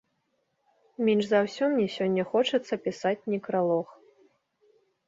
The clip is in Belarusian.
Менш за ўсё мне сёння хочацца пісаць некралог.